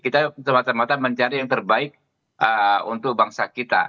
kita semata mata mencari yang terbaik untuk bangsa kita